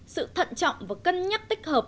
sự thận trọng và cân nhắc tích hợp